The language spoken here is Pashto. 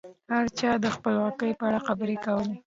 هر چا د خپلواکۍ په اړه خبرې کولې.